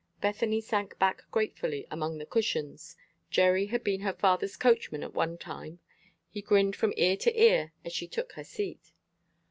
Bethany sank back gratefully among the cushions. Jerry had been her father's coachman at one time. He grinned from ear to ear as she took her seat.